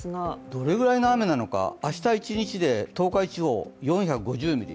どのくらいの雨なのか、明日一日で東海地方、４５０ミリ。